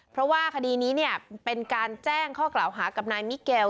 เพราะว่าคดีนี้เป็นการแจ้งข้อกล่าวหากับนายมิเกล